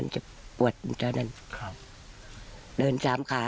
จะปวดแล้วแน่ครับเดินตามขา